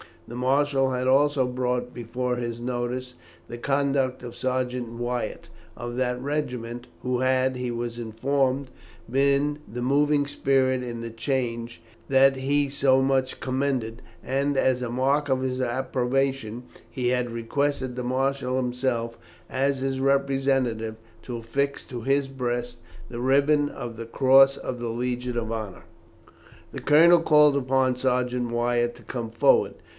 The marshal had also brought before his notice the conduct of Sergeant Wyatt of that regiment, who had, he was informed, been the moving spirit in the change that he so much commended, and, as a mark of his approbation, he had requested the marshal himself, as his representative, to affix to his breast the ribbon of the cross of the Legion of Honour. The colonel called upon Sergeant Wyatt to come forward.